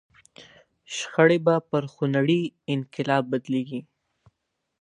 شخړې به پر خونړي انقلاب بدلېږي.